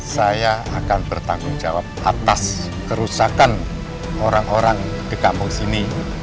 saya akan bertanggung jawab atas kerusakan orang orang di kampung sini